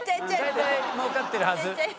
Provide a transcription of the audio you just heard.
大体もうかってるはず。